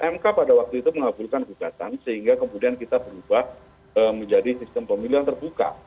mk pada waktu itu mengabulkan gugatan sehingga kemudian kita berubah menjadi sistem pemilu yang terbuka